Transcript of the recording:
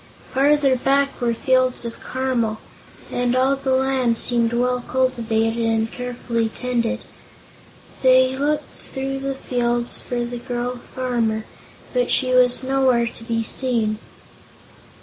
Farther back were fields of caramels, and all the land seemed well cultivated and carefully tended. They looked through the fields for the girl farmer, but she was nowhere to be seen.